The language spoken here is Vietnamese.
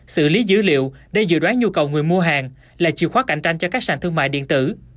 xử lý dữ liệu để dự đoán nhu cầu người mua hàng là chìa khóa cạnh tranh cho các sàn thương mại điện tử